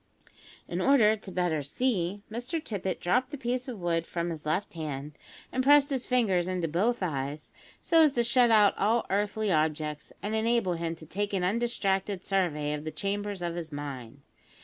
In order the better to "see," Mr Tippet dropt the piece of wood from his left hand, and pressed his fingers into both eyes, so as to shut out all earthly objects, and enable him to take an undistracted survey of the chambers of his mind.